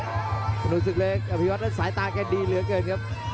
ตรงนี้สุดเล็กอภิวัตสายตาแก่ดีเหลือเกินครับ